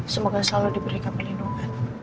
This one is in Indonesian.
semoga selalu diberikan perlindungan